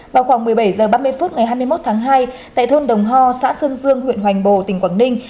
vào khoảng một mươi bảy h ba mươi phút ngày hai mươi một tháng hai tại thôn đồng ho xã sơn dương huyện hoành bồ tỉnh quảng ninh